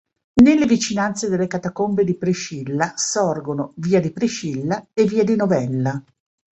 Nelle vicinanze delle Catacombe di Priscilla sorgono via di Priscilla e via di Novella.